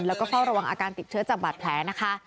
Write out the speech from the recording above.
แล้วก็เฝ้าระวังอาการติดเชื้อจากบาดแผลนะคะ